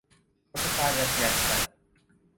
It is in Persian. متفرق گشتن